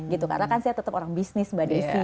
gitu karena kan saya tetap orang bisnis mbak desi